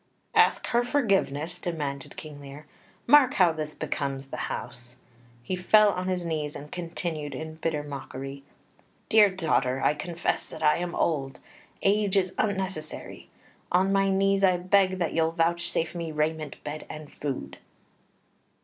"Ask her forgiveness?" demanded King Lear. "Mark how this becomes the house." He fell on his knees and continued in bitter mockery: "'Dear daughter, I confess that I am old; age is unnecessary; on my knees I beg that you'll vouchsafe me raiment, bed, and food.